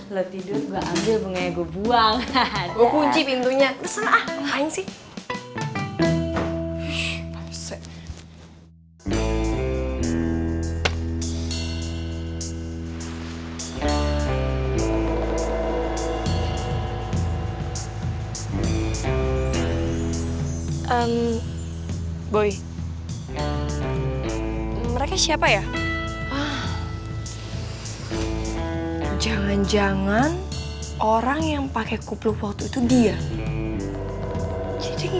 lo tidur gue ambil bunganya gue buang